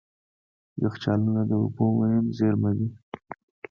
یخچالونه د اوبو مهم زیرمه دي.